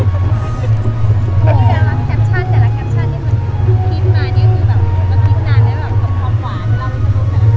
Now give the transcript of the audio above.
เค้าจะเล่ากับภูมิใหม่